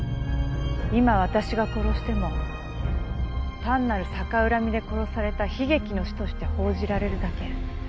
今私が殺しても単なる逆恨みで殺された悲劇の死として報じられるだけ。